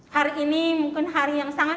hari ini mungkin hari yang sangat